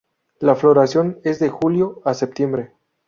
La floración es de julio a septiembre.